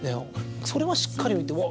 それはしっかり見てうわ